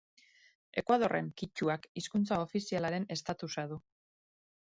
Ekuadorren kitxuak hizkuntza ofizialaren estatusa du.